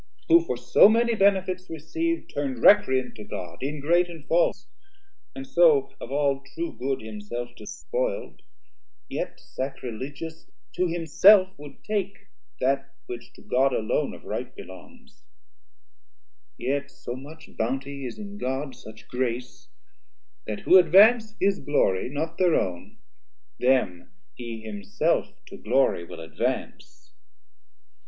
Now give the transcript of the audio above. Who for so many benefits receiv'd Turn'd recreant to God, ingrate and false, And so of all true good himself despoil'd, Yet, sacrilegious, to himself would take 140 That which to God alone of right belongs; Yet so much bounty is in God, such grace, That who advance his glory, not thir own, Them he himself to glory will advance.